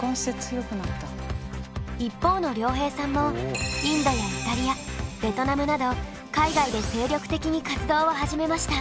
一方の良平さんもインドやイタリアベトナムなど海外で精力的に活動を始めました。